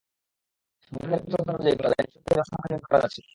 মোটা দাগের পরিসংখ্যান অনুযায়ী বলা যায়, নিঃসন্দেহে জনসংখ্যা নিয়ন্ত্রণ করা যাচ্ছে।